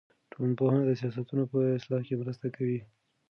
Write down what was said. ټولنپوهنه د سیاستونو په اصلاح کې مرسته کوي.